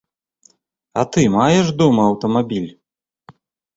А ты маеш дома аўтамабіль?